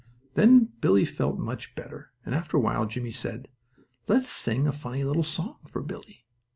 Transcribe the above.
Then Billie felt much better, and after a while Jimmie said: "Let's sing a funny little song for Billie."